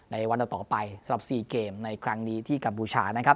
ในวันต่อไปสำหรับ๔เกมในครั้งนี้ที่กัมพูชานะครับ